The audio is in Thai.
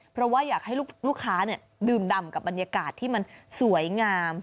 เพราะว่าอยากให้ลูกค้าดื่มดำกับบรรยากาศที่มันสวยงาม